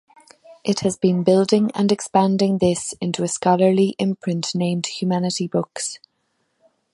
It has been building and expanding this into a scholarly imprint named Humanity Books.